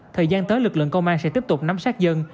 thời gian tới lực lượng công an sẽ tiếp tục nắm sát dân